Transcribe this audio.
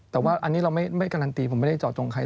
ที่เราไม่การันตีผมไม่ได้จอดตรงใคร